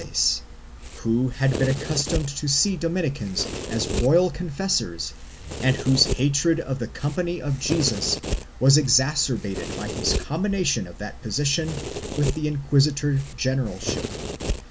I] THE INQUISITOR GENERALSHIP 31 1 who had been accustomed to see Dominicans as royal con fessors and whose hatred of the Company of Jesus was exacer bated by his combination of that position with the inquisitor generalship.